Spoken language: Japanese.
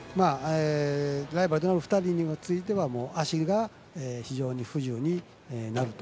ライバルの２人については足が非常に不自由になると。